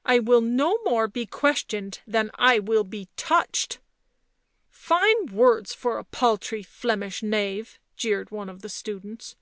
" I will no more be questioned than I will be touched." "Fine words for a paltry Flemish knave!" jeered one of the students.